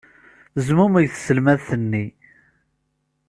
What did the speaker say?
Tezmumeg tselmadt-nni.